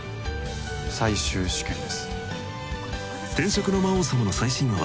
最終試験です。